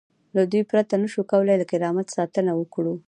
له دوی پرته نشو کولای له کرامت ساتنه وکړو.